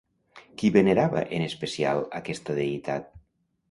Qui venerava en especial aquesta deïtat?